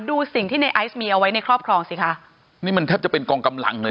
ดูสิ่งที่ในไอซ์มีเอาไว้ในครอบครองสิคะนี่มันแทบจะเป็นกองกำลังเลย